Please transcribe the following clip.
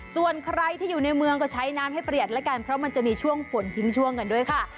ส่วนใครที่อยู่ในเมืองก็ใช้น้ำให้ประหยัดแล้วกันเพราะมันจะมีช่วงฝนทิ้งช่วงกันด้วยค่ะ